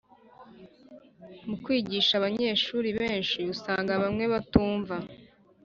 Mu kwigisha abanyeshuri benshi usanga bamwe batumva